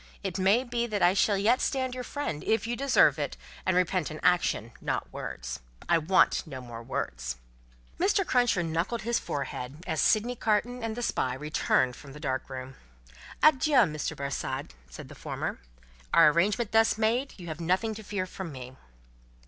It may be that I shall yet stand your friend, if you deserve it, and repent in action not in words. I want no more words." Mr. Cruncher knuckled his forehead, as Sydney Carton and the spy returned from the dark room. "Adieu, Mr. Barsad," said the former; "our arrangement thus made, you have nothing to fear from me."